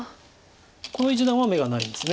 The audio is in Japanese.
この一団は眼がないんです。